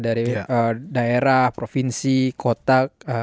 dari daerah provinsi kota